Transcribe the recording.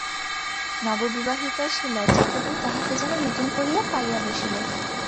নববিবাহিতার সে লজ্জাটুকু তাহাকে যেন নতুন করিয়া পাইয়া বসিল।